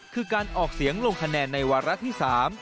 คือการออกเสียงลงคะแนนในวาระที่๓